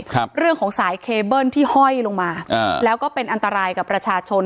ครับเรื่องของสายเคเบิ้ลที่ห้อยลงมาอ่าแล้วก็เป็นอันตรายกับประชาชน